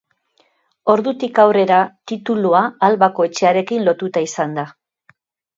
Ordutik aurrera, titulua Albako etxearekin lotuta izan da.